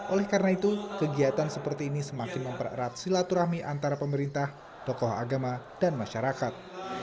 oleh karena itu kegiatan seperti ini semakin mempererat silaturahmi antara pemerintah tokoh agama dan masyarakat